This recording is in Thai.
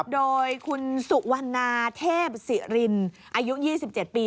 โดยคุณสุวรรณาเทพศิรินอายุ๒๗ปี